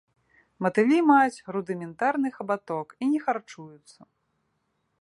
Матылі маюць рудыментарны хабаток і не харчуюцца.